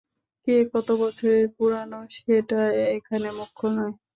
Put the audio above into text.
কে কত বছরের পুরোনো, সেটা এখানে মুখ্য নয়।